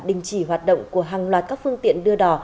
đình chỉ hoạt động của hàng loạt các phương tiện đưa đỏ